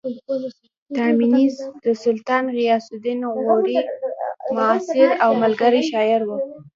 تایمني د سلطان غیاث الدین غوري معاصر او ملګری شاعر و